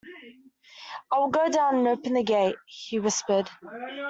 "I will go down and open the gate," he whispered.